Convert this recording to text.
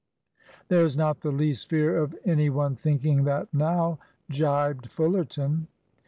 "There's not the least fear of any one thinking that now," gibed Fullerton.